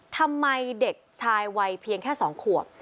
ทำไมเด็กชายวัยเพียงแค่๒ขวบ